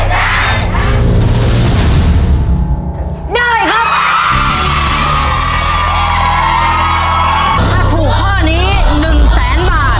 ถ้าถูกข้อนี้หนึ่งแสนบาท